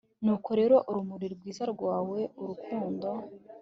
nuko rero urumuri rwiza rwawe, urukundo